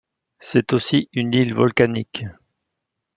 C'est aussi une île volcanique.